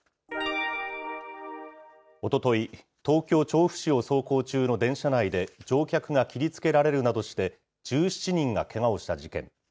おととい、東京・調布市を走行中の電車内で、乗客が切りつけられるなどして、１７人がけがをした事件。